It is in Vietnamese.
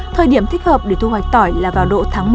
thời điểm thích hợp để thu hoạch tỏi là vào độ tháng một